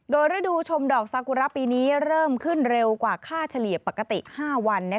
โดยฤดูชมดอกซากุระปีนี้เริ่มขึ้นเร็วกว่าค่าเฉลี่ยปกติ๕วัน